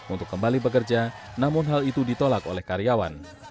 untuk kembali bekerja namun hal itu ditolak oleh karyawan